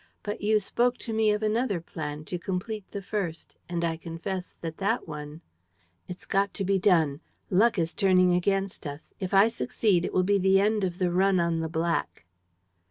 But you spoke to me of another plan, to complete the first; and I confess that that one ..." "It's got to be done. Luck is turning against us. If I succeed, it will be the end of the run on the black."